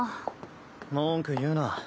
文句言うな。